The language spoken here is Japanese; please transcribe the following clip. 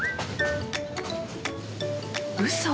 うそ！